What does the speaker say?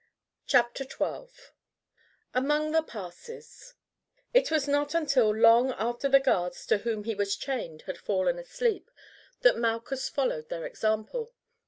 CHAPTER XII: AMONG THE PASSES It was not until long after the guards to whom he was chained had fallen asleep that Malchus followed their example.